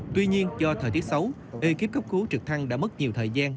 tuy nhiên do thời tiết xấu ekip cấp cứu trực thăng đã mất nhiều thời gian